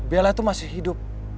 bella itu masih hidup